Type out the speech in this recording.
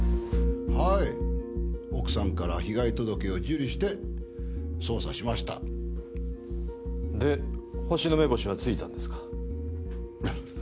はい奥さんから被害届を受理して捜査しましたでホシの目星はついたんですか？